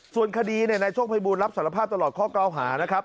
ส่วนคดีนายโชคภัยบูลรับสารภาพตลอดข้อเก่าหานะครับ